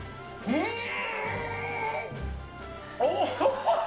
うん！